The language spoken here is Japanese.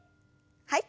はい。